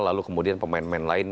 lalu kemudian pemain pemain lain